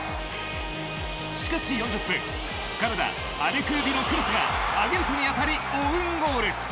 しかし４０分カナダ、アデクービのクロスがアゲルドに当たりオンゴール。